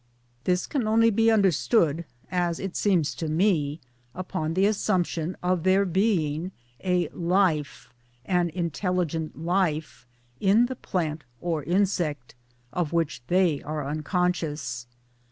This can only be understood, as it seems to me, upon the assumption of there being a Life, an intelligent Life, in the Plant or Insect, of which they are unconscious.